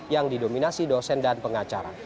yang didominasi dosen dan pengacara